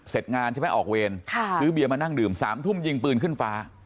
ซื้อเบียนมานั่งดื่ม๓ทุ่มยิงปืนขึ้นฟ้า